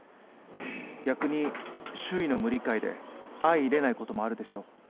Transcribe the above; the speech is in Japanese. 逆に周囲の無理解で相いれない事もあるでしょう。